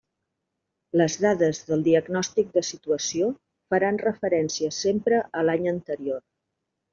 Les dades del diagnòstic de situació faran referència sempre a l'any anterior.